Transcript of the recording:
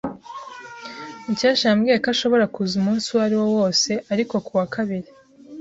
Mukesha yambwiye ko ashobora kuza umunsi uwo ari wo wose ariko ku wa kabiri.